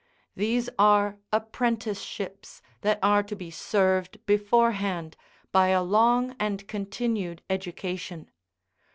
These are apprenticeships that are to be served beforehand, by a long and continued education.